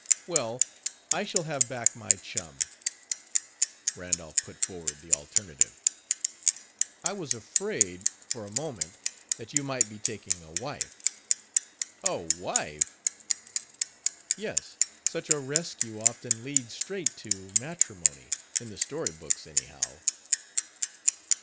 "Well, I shall have back my chum." Randolph put forward the alternative. "I was afraid, for a moment, that you might be taking a wife." "A wife?" "Yes. Such a rescue often leads straight to matrimony in the story books, anyhow."